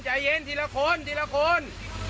ใจเย็นทีและคน